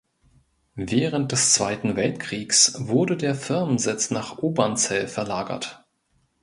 Während des Zweiten Weltkriegs wurde der Firmensitz nach Obernzell verlagert.